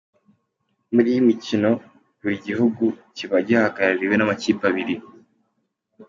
Muri iyi mikino buri gihugu kiba gihagarariwe n’amakipe abiri.